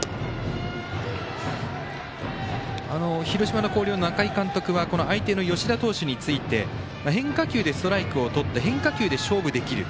広島の広陵の中井監督は相手の吉田投手について変化球でストライクをとって変化球で勝負できる。